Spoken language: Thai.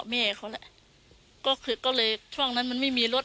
แม่เขาแหละก็คือก็เลยช่วงนั้นมันไม่มีรถ